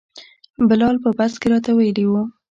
بلال په بس کې راته ویلي وو.